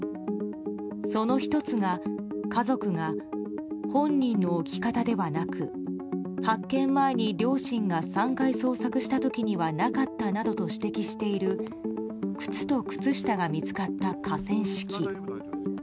その１つが、家族が本人の置き方ではなく発見前に両親が３回捜索した時にはなかったなどと指摘している靴と靴下が見つかった河川敷。